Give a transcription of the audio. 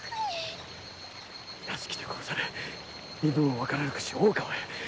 屋敷で殺され身分をわからなくして大川へ。